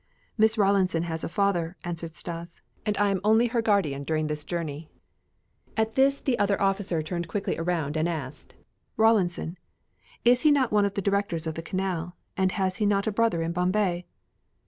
"Miss Rawlinson has a father," answered Stas, "and I am only her guardian during this journey." At this the other officer turned quickly around and asked: "Rawlinson? Is he not one of the directors of the Canal and has he not a brother in Bombay?"